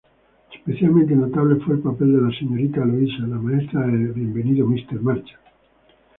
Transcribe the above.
Especialmente notable fue el papel de la "Señorita Eloísa", la maestra de "Bienvenido Mr.